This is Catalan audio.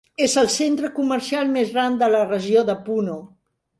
És el centre comercial més gran de la regió de Puno.